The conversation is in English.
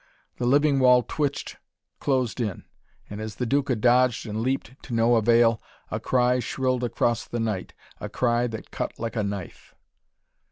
The living wall twitched, closed in; and as the Duca dodged and leaped to no avail, a cry shrilled across the night a cry that cut like a knife.